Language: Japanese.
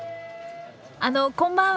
あのこんばんは。